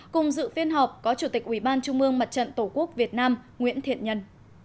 cùng dự phiên họp có chủ tịch ubnd tổ quốc việt nam nguyễn thiện nhân